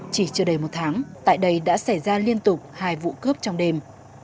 chỉ chưa đầy một tháng tại đây đã xảy ra liên tục hai vụ cướp trong đêm